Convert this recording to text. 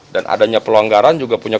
dan adanya pelonggaran juga punya